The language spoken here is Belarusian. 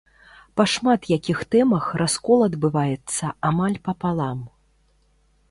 Па шмат якіх тэмах раскол адбываецца амаль папалам.